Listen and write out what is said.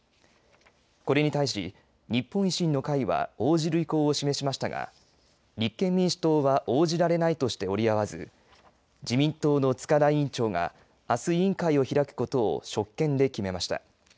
これに対し日本維新の会は応じる意向を示しましたが立憲民主党は応じられないとして折り合わず自民党の塚田委員長があす委員会を開くことを職権で決めました。